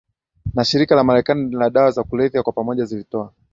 na Shirika la Marekani la Dawa za kulevya kwa pamoja zilitoa